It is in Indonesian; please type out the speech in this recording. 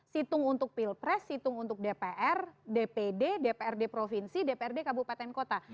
situng untuk pilpres situng untuk dpr dpd dprd provinsi dprd kabupaten kota